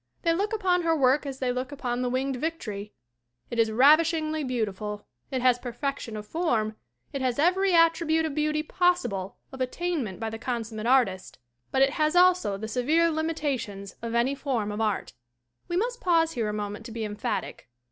They look upon her work as they look upon the Winged Victory; it is ravish ingly beautiful, it has perfection of form, it has every attribute of beauty possible of attainment by the con summate artist, but it has also the severe limitations of any form of art. We must pause here a moment to be emphatic.